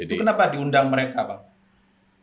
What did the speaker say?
itu kenapa diundang mereka bang